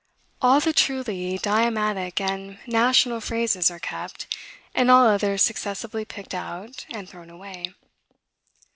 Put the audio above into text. All the truly diomatic and national phrases are kept, and all others successively picked out and thrown away.